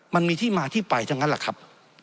มันมีที่มาที่ไปจนกันแหละครับ